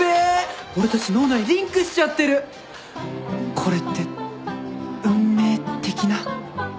これって運命的な？